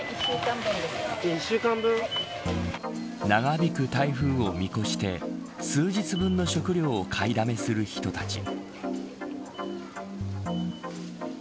長引く台風を見越して数日分の食料を買いだめする人たち。